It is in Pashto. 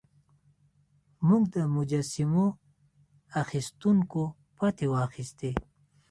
موږ د مجسمو اخیستونکو پتې واخیستې.